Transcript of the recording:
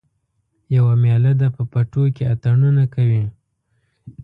یوه میله ده په پټو کې اتڼونه کوي